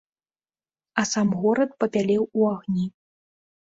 А сам горад папялеў у агні.